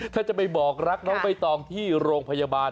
ถ้าจะไปบอกรักน้องใบตองที่โรงพยาบาล